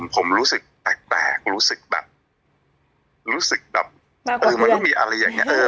ผมรู้สึกแปลกรู้สึกแบบรู้สึกแบบเออมันก็มีอะไรอย่างนี้